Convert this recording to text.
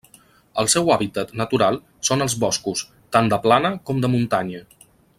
El seu hàbitat natural són els boscos, tant de plana com de muntanya.